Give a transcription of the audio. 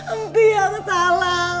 empi yang salah